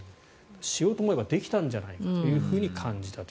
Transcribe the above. しようと思えばできたんじゃないかと感じたと。